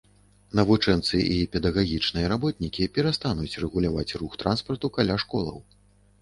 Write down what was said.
Навучэнцы і педагагічныя работнікі перастануць рэгуляваць рух транспарту каля школаў.